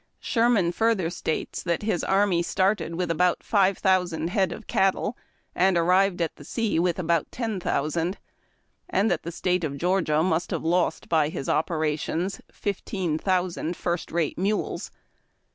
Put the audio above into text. '' Sherman further states that his army started with about live thousand head of cattle and arrived at the sea with about ten thou sand, and that the State of Georgia must have lost by his operations fifteen thousand tirst rate mules.